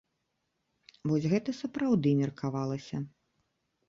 Вось гэта сапраўды меркавалася.